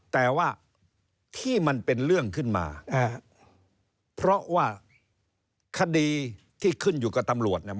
แต่ว่าที่มันเป็นเรื่องขึ้นมาเพราะว่าคดีที่ขึ้นอยู่กับตำรวจเนี่ย